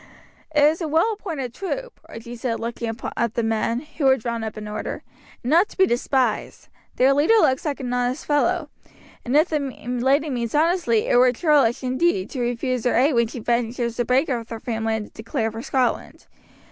"It is a well appointed troop," Archie said looking at the men, who were drawn up in order, "and not to be despised. Their leader looks an honest fellow; and if the lady means honestly it were churlish indeed, to refuse her aid when she ventures to break with her family and to declare for Scotland.